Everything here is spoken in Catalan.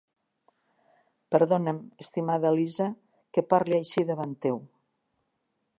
Perdona'm, estimada Elisa, que parle així davant teu.